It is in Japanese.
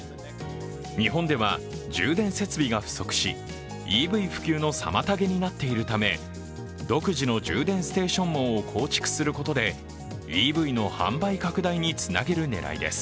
日本では、充電設備が不足しＥＶ普及の妨げになっているため独自の充電ステーション網を構築することでＥＶの販売拡大につなげる狙いです。